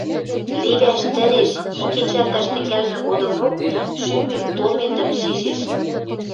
левӓш тӹреш и кечӓлтӓш тӹнгӓлмӹ годымок шӱмем толметӹм шижеш